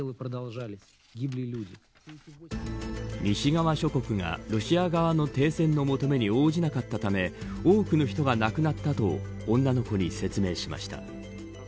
西側諸国がロシア側の停戦の求めに応じなかったため多くの人が亡くなったと女の子に説明しました。